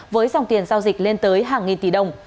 với dòng tiền giao dịch lên tới hàng nghìn tỷ đồng